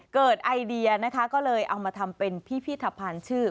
ไอเดียนะคะก็เลยเอามาทำเป็นพิพิธภัณฑ์ชื่อ